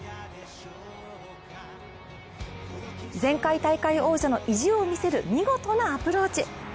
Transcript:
前回大会王者の意地を見せる見事なアプローチ。